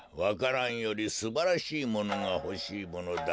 蘭よりすばらしいものがほしいものだ。